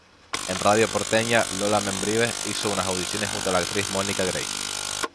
En Radio Porteña, Lola Membrives, hizo unas audiciones junto a la actriz Mónica Grey.